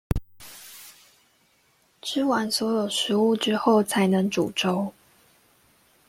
吃完所有食物之後才能煮粥